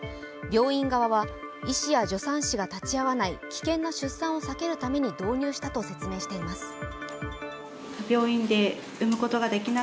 病院側は医師や助産師が立ち会わない危険な出産を避けるために導入したと説明しています。